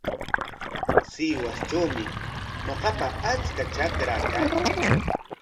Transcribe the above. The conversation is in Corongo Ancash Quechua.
Sihuastrawmi ñuqapa achka trakaa kan.